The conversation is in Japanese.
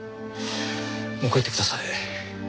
もう帰ってください。